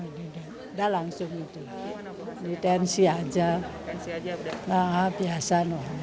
udah langsung gitu ditensi aja nah biasa